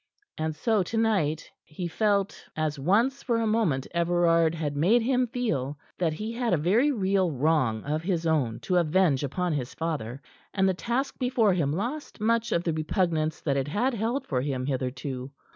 And so, to night he felt as once for a moment Everard had made him feel that he had a very real wrong of his own to avenge upon his father; and the task before him lost much of the repugnance that it had held for him hitherto.